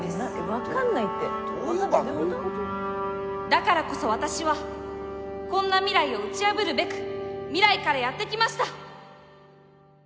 だからこそ私はこんな未来を打ち破るべく未来からやって来ました！